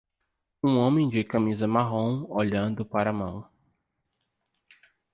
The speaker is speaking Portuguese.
Um homem de camisa marrom, olhando para a mão.